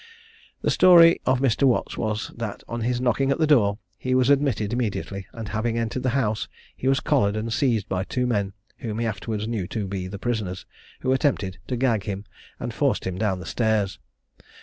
The story of Mr. Watts was that on his knocking at the door, he was admitted immediately, and having entered the house he was collared and seized by two men, whom he afterwards knew to be the prisoners, who attempted to gag him, and forced him down stairs.